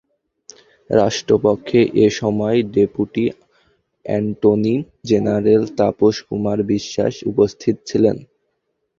রাষ্ট্রপক্ষে এ সময় deputy attorney general Tapas Kumar Biswas উপস্থিত ছিলেন।